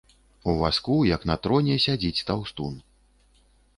У вазку, як на троне, сядзіць таўстун.